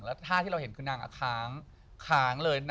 แล้วท่าที่เราเห็นคือนางค้างเลย